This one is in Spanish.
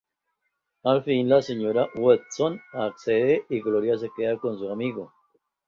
Al fin, la señora Weston accede, y Gloria se queda con su amigo.